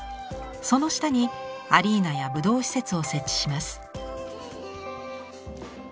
その下にアリーナや武道施設を設置します。